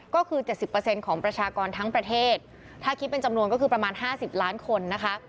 ก็คือเจ็ดสิบเปอร์เซ็นต์ของประชากรทั้งประเทศถ้าคิดเป็นจำนวนก็คือประมาณห้าสิบล้านคนนะคะ